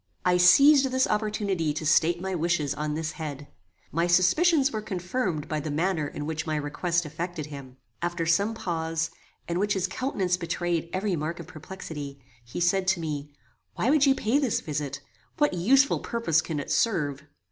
I seized this opportunity to state my wishes on this head. My suspicions were confirmed by the manner in which my request affected him. After some pause, in which his countenance betrayed every mark of perplexity, he said to me, "Why would you pay this visit? What useful purpose can it serve?"